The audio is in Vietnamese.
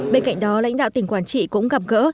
bên cạnh đó lãnh đạo tỉnh quảng trị cũng gặp gỡ